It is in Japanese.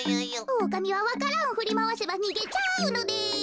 おおかみはわか蘭をふりまわせばにげちゃうのです。